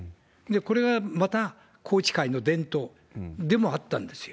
これがまた宏池会の伝統でもあったんですよ。